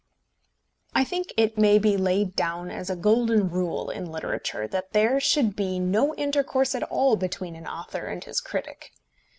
I think it may be laid down as a golden rule in literature that there should be no intercourse at all between an author and his critic.